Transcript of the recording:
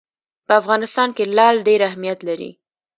په افغانستان کې لعل ډېر اهمیت لري.